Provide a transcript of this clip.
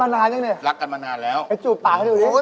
นี่รักกันมานานแล้วเนี่ยไปจูบตาให้ดูดิ